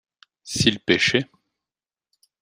s'ils pêchaient.